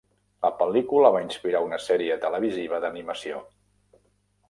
La pel·lícula va inspirar una sèrie televisiva d'animació.